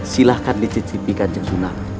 silahkan dicicipi kanjeng sunan